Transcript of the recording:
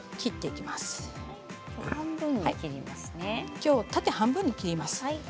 きょうは縦半分に切ります。